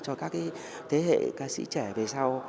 cho các thế hệ ca sĩ trẻ về sau